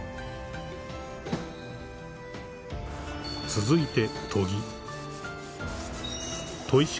［続いて］